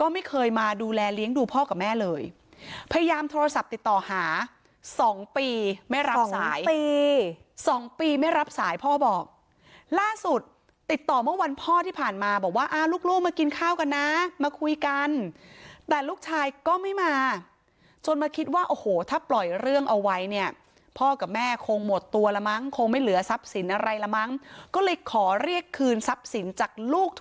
ไม่เคยมาดูแลเลี้ยงดูพ่อกับแม่เลยพยายามโทรศัพท์ติดต่อหา๒ปีไม่รับสายปี๒ปีไม่รับสายพ่อบอกล่าสุดติดต่อเมื่อวันพ่อที่ผ่านมาบอกว่าอ่าลูกมากินข้าวกันนะมาคุยกันแต่ลูกชายก็ไม่มาจนมาคิดว่าโอ้โหถ้าปล่อยเรื่องเอาไว้เนี่ยพ่อกับแม่คงหมดตัวละมั้งคงไม่เหลือทรัพย์สินอะไรละมั้งก็เลยขอเรียกคืนทรัพย์สินจากลูกท